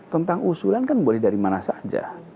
tentang usulan kan boleh dari mana saja